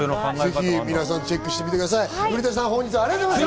ぜひ皆さんチェックしてみてください。